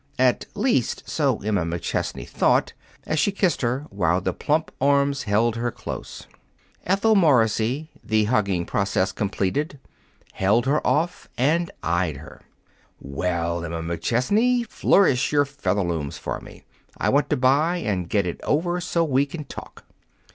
At least, so Emma McChesney thought, as she kissed her, while the plump arms held her close. Ethel Morrissey, the hugging process completed, held her off and eyed her. "Well, Emma McChesney, flourish your Featherlooms for me. I want to buy and get it over, so we can talk."